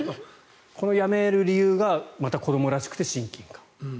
このやめる理由がまた子どもらしくて親近感。